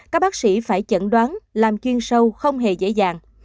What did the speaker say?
các bác sĩ phải chẩn đoán làm chuyên sâu không hề dễ dàng